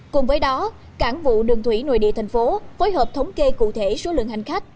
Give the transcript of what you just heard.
cùng với đó cảng vụ đường thủy nội địa thành phố phối hợp thống kê cụ thể số lượng hành khách